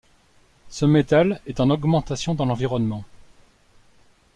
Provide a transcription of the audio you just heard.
Ce métal est en augmentation dans l'environnement.